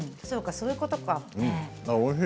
そうか、そういうことか。